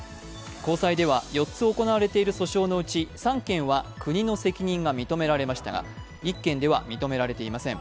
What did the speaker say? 高裁では４つ行われている訴訟のうち３件は国の責任が認められましたが１件では認められていません。